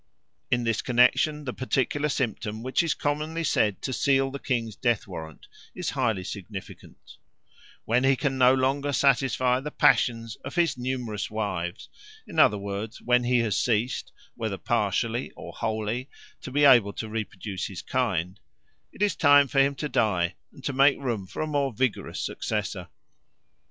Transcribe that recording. In this connexion the particular symptom which is commonly said to seal the king's death warrant is highly significant; when he can no longer satisfy the passions of his numerous wives, in other words, when he has ceased, whether partially or wholly, to be able to reproduce his kind, it is time for him to die and to make room for a more vigorous successor.